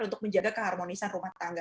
untuk menjaga keharmonisan rumah tangga